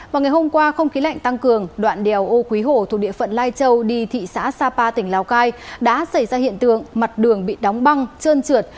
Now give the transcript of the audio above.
vào ngày hôm qua không khí lạnh tăng cường đoạn đèo ô quý hổ thuộc địa phận lai châu đi thị xã sapa tỉnh lào cai đã xảy ra hiện tượng mặt đường bị đóng băng trơn trượt